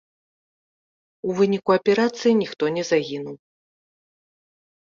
У выніку аперацыі ніхто не загінуў.